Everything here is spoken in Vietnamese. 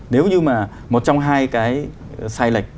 nếu như mà một trong hai cái sai lệch